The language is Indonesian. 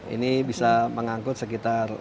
ini bisa mengangkut sekitar